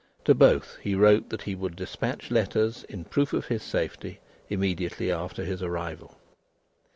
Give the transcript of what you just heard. To both, he wrote that he would despatch letters in proof of his safety, immediately after his arrival.